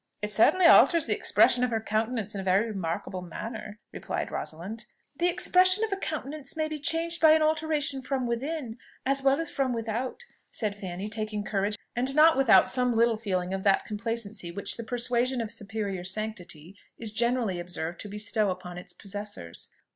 "It certainly alters the expression of her countenance in a very remarkable manner," replied Rosalind. "The expression of a countenance may be changed by an alteration from within, as well as from without," said Fanny, taking courage, and not without some little feeling of that complacency which the persuasion of superior sanctity is generally observed to bestow upon its possessors.